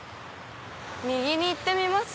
右に行ってみます？